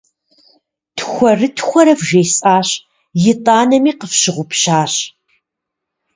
Тхуэрытхуэрэ вжесӏащ, итӏанэми къыфщыгъупщащ.